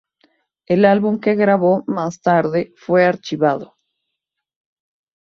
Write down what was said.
El álbum que grabo más tarde fue archivado.